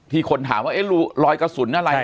ทีคนถามว่าไล่กระสุนอะไร